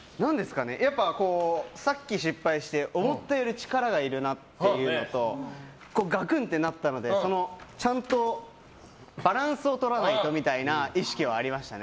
やっぱ、さっき失敗して思ったより力がいるなっていうのとガクンってなったのでちゃんとバランスをとらないとみたいな意識はありましたね。